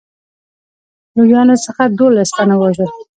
لویانو څخه دوولس تنه ووژل.